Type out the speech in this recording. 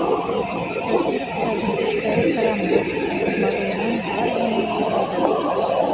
Закировтарҙың эштәре ырамлы барыуынан барыһына ла файҙа.